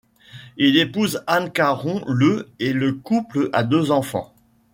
Il épouse Anne Caron le et le couple a deux enfants.